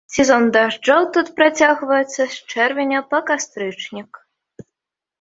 Сезон дажджоў тут працягваецца з чэрвеня па кастрычнік.